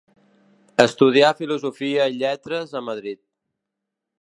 Estudià Filosofia i Lletres a Madrid.